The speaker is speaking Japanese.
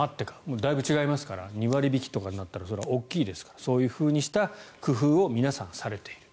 だいぶ違いますから２割引きとかになったらそれは大きいですからそういう工夫を皆さん、されている。